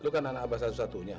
itu kan anak abah satu satunya